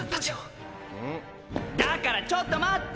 ん⁉だからちょっと待って！